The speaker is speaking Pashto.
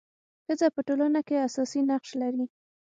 ښځه په ټولنه کي اساسي نقش لري.